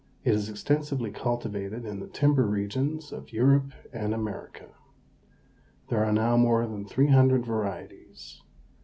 It is extensively cultivated in the timber regions of Europe and America. There are now more than 300 varieties.